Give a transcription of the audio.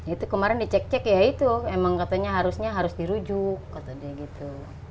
itu kemarin dicek cek ya itu emang katanya harusnya harus dirujuk kata dia gitu